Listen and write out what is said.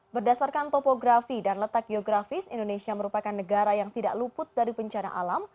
berdasarkan topografi dan letak geografis indonesia merupakan negara yang tidak luput dari bencana alam